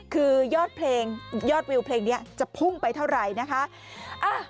คือยอดเพลงยอดวิวเพลงนี้จะพุ่งไปเท่าไหร่นะคะ